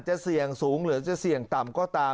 จะเสี่ยงสูงหรือจะเสี่ยงต่ำก็ตาม